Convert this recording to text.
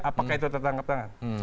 apakah itu tertangkap tangan